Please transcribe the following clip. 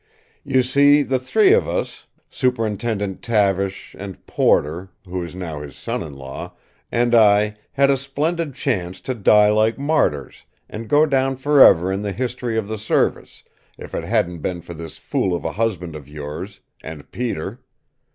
"You see the three of us, Superintendent Tavish, and Porter who is now his son in law and I had a splendid chance to die like martyrs, and go down forever in the history of the Service, if it hadn't been for this fool of a husband of yours, and Peter.